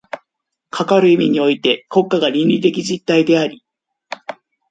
かかる意味において国家が倫理的実体であり、